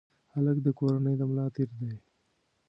هلک د کورنۍ د ملا تیر دی.